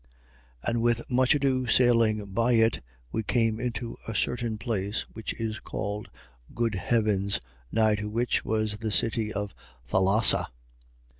27:8. And with much ado sailing by it, we came into a certain place, which is called Good havens, nigh to which was the city of Thalassa.